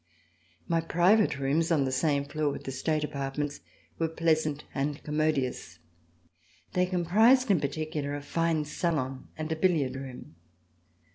My private rooms, on the same floor with the State apartments, were pleasant and commodious. They comprised, in particular, a fine salon and a billiard room.